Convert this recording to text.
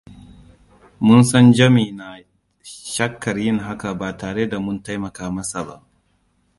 Mun san Jami na shakkar yin haka ba tare da mun taimaka masa ba.